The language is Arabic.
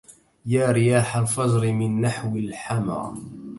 يا رياح الفجر من نحو الحمى